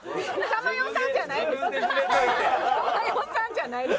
珠代さんじゃないです。